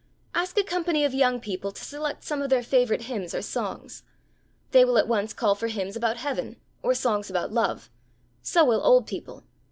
Ask a company of young people to select some of their favourite hymns or songs. They will at once call for hymns about heaven or songs about love. So will old people.